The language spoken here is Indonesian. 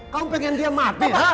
kamu pengen dia mati